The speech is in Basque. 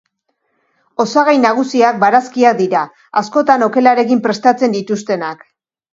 Osagai nagusiak barazkiak dira, askotan okelarekin prestatzen dituztenak.